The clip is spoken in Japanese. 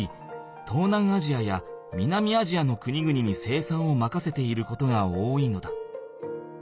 東南アジアや南アジアの国々に生産をまかせていることが多いのだ。